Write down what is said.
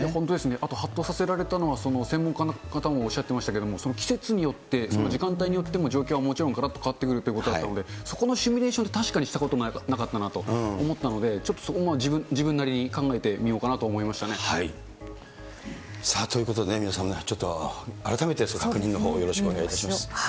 あとはっとさせられたのは、専門家の方もおっしゃってましたけれども、季節によって時間帯によっても状況はがらっと変わってくるということなので、そこのシミュレーションというのは確かにしたことなかったなと思ったので、ちょっとそこも自分なりに考えてみようかなと思いましということでね、皆さんちょっと改めてその確認のほう、よろしくお願いいたします。